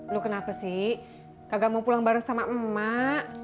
lu kenapa sih kagak mau pulang bareng sama emak